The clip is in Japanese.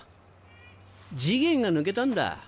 次元が抜けたんだ